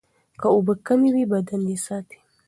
که اوبه کمې وي، بدن یې ساتي.